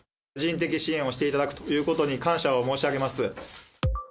人的支援をしていただくということに感謝を申し上げます。